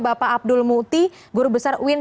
bapak abdul muti guru besar uin